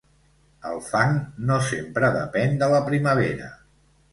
El fang no sempre depèn de la primavera.